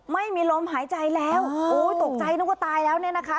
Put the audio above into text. ไม่มีลมหายใจแล้วโอ้ยตกใจนึกว่าตายแล้วเนี่ยนะคะ